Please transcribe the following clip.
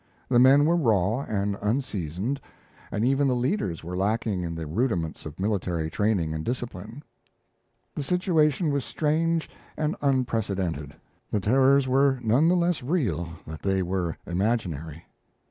The men were raw and unseasoned, and even the leaders were lacking in the rudiments of military training and discipline. The situation was strange and unprecedented, the terrors were none the less real that they were imaginary.